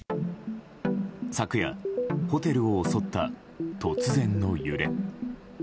昨夜、ホテルを襲った突然の揺れ。